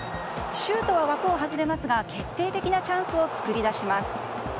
シュートは枠を外れますが決定的なチャンスを作り出します。